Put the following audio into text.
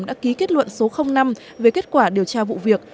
đã ký kết luận số năm về kết quả điều tra vụ việc